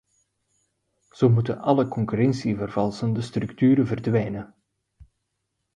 Zo moeten alle concurrentievervalsende structuren verdwijnen.